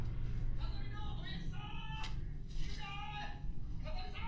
風見のおやじさん！